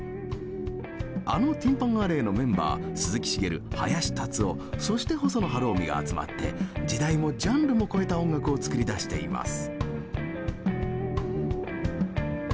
あのティン・パン・アレーのメンバー鈴木茂林立夫そして細野晴臣が集まって時代もジャンルも超えた音楽を作り出しています。